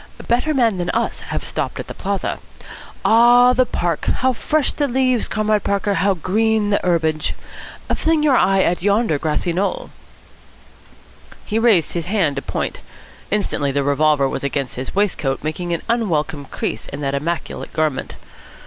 Better men than us have stopped at the Plaza. Ah, the Park! How fresh the leaves, Comrade Parker, how green the herbage! Fling your eye at yonder grassy knoll." He raised his hand to point. Instantly the revolver was against his waistcoat, making an unwelcome crease in that immaculate garment.